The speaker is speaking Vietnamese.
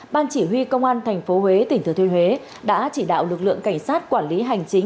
ban chỉ huy công an tp huế tỉnh thừa thiên huế đã chỉ đạo lực lượng cảnh sát quản lý hành chính